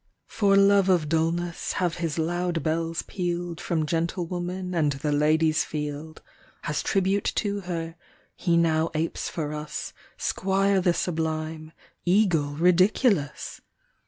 58 For love of Dullness have his loud bells pealed From Gentlewoman and the Lady's Field. As tribute to Her, he now apes for us, Squire the Sublime, Eagle Ridiculous